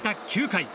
９回。